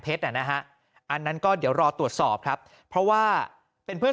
นะฮะอันนั้นก็เดี๋ยวรอตรวจสอบครับเพราะว่าเป็นเพื่อน